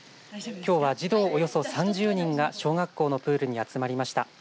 きょうは児童およそ３０人が小学校のプールに集まりました。